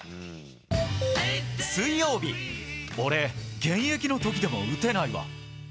水曜日「俺、現役の時でも打てないわ」。